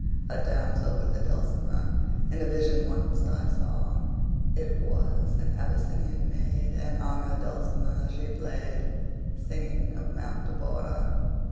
A damsel with a dulcimer In a vision once I saw: It was an Abyssinian maid, And on her dulcimer she play'd, 40 Singing of Mount Abora.